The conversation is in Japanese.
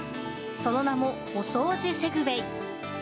その名も、おそうじセグウェイ。